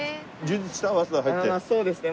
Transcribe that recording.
そうですね。